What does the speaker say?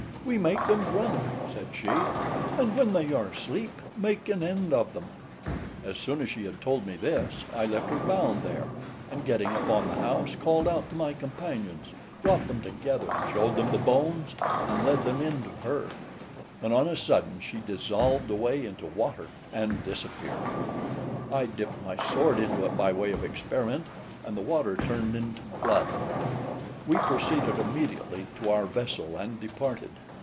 "We make them drunk," said she, "and when they are asleep, make an end of them." As soon as she had told me this, I left her bound there, and getting upon the house, called out to my companions, brought them together, showed them the bones, and led them in to her; when on a sudden she dissolved away into water, and disappeared. I dipped my sword into it by way of experiment, and the water turned into blood. We proceeded immediately to our vessel and departed.